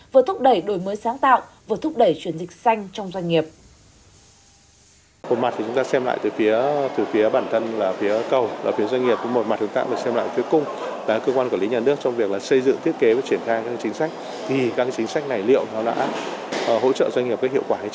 vừa thúc đẩy đổi mới sáng tạo vừa thúc đẩy chuyển dịch xanh trong doanh nghiệp